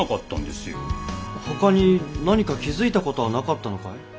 ほかに何か気付いたことはなかったのかい？